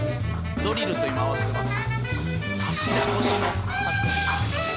ドリルと今合わせてます。